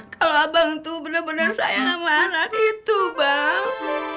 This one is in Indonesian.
kalau abang tuh bener bener sayang sama anak itu bang